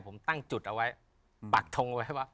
ผมตั้งจุดเอาไว้ปักทงเอาไว้ว่า